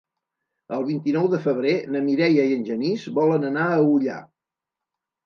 El vint-i-nou de febrer na Mireia i en Genís volen anar a Ullà.